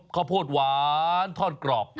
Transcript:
ข้าวโพดหวานทอดกรอบ